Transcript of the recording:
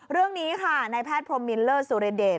เรื่องนี้ค่ะนายแพทย์พรมมินเลอร์สุริเดช